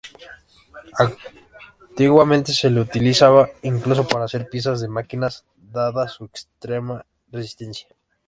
Antiguamente se la utilizaba incluso para hacer piezas de máquinas, dada su extrema resistencia.